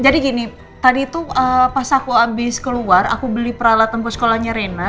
jadi gini tadi itu pas aku habis keluar aku beli peralatan ke sekolahnya rena